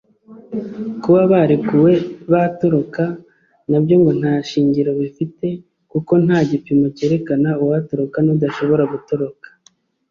Kuba barekuwe batoroka nabyo ngo nta shingiro bifite kuko nta gipimo cyerekana uwatoroka n’udashobora gutoroka